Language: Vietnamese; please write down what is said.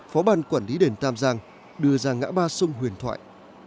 phó ban quản lý đền tam giang đưa ra ngã ba sông huyền thoại